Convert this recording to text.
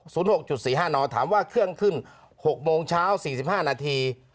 สูงหกจุดสี่ห้านอถามว่าเครื่องขึ้นหกโมงเช้าสี่สิบห้านาที